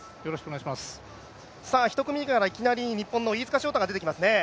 １組目からいきなり日本の飯塚翔太が出てきますね。